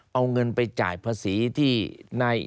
เอาเงินไปจ่ายภาษีที่ใน